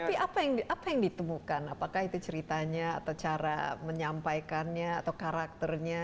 tapi apa yang ditemukan apakah itu ceritanya atau cara menyampaikannya atau karakternya